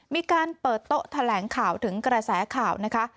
มีการเปิดโต๊ะแถลงข่าวถึงกระแสข่าวนะคะ